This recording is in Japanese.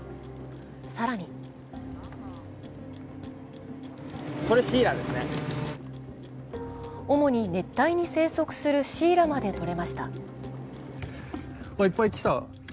更に主に熱帯に生息するシイラまで取れました。